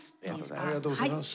ありがとうございます。